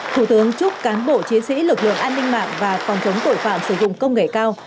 thủ tướng chúc cán bộ chiến sĩ lực lượng an ninh mạng và phòng chống tội phạm sử dụng công nghệ cao